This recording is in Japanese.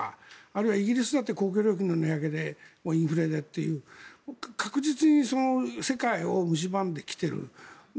あるいはイギリスだって公共料金の値上げでインフレでという確実に世界をむしばんできている。